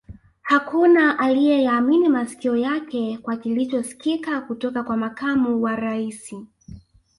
Hakuna aliye yaamini masikio yake kwa kilicho sikika kutoka kwa Makamu wa Rais